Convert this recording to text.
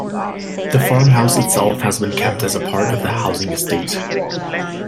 The farm house itself has been kept as a part of the housing estate.